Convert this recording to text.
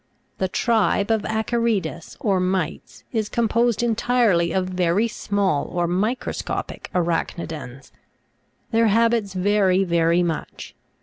30. The tribe of ACA'RIDES or mites is composed entirely of very small or microscopic Arach'nidans. Their habits vary very much.